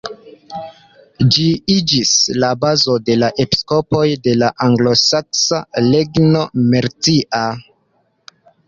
Ĝi iĝis la bazo de la episkopoj de la anglosaksa regno Mercia.